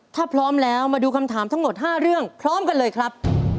ถ้าพร้อมแล้วมาดูคำถามทั้งหมด๕เรื่องพร้อมกันเลยครับ